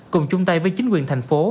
cùng chung tay với chính quyền thành phố